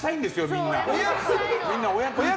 みんな。